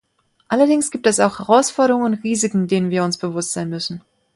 Allerdings gibt es auch Herausforderungen und Risiken, denen wir uns bewusst sein müssen.